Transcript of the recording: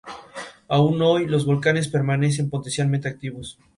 Aún hoy los volcanes permanecen potencialmente activos.